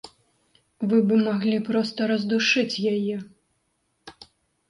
Вы бы маглі проста раздушыць яе.